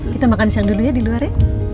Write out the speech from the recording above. kita makan siang dulu ya di luarnya